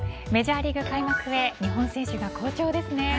メジャーリーグ開幕へ日本選手が好調ですね。